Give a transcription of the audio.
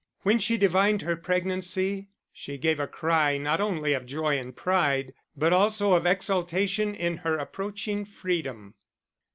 When she divined her pregnancy, she gave a cry not only of joy and pride, but also of exultation in her approaching freedom.